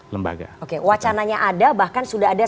lembaga oke wacananya ada bahkan sudah ada